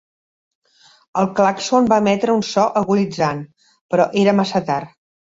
El clàxon va emetre un so agonitzant, però era massa tard.